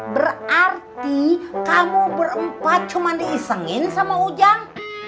berarti kamu berempat cuma diisengin sama ujang